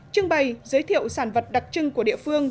trưng bày giới thiệu sản vật đặc trưng của địa phương